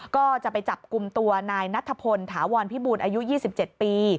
ก็จะไปจับกลุ่มตัวนายนัทพลถาวรพิบูรอายุ๒๗ปี